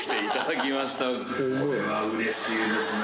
うわ嬉しいですね